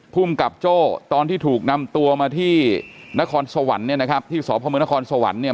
ภูมิกับโจ้ตอนที่ถูกนำตัวมาที่นครสวรรค์เนี่ยนะครับที่สพมนครสวรรค์เนี่ย